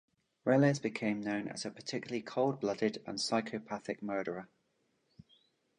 Reles became known as a particularly cold-blooded and psychopathic murderer.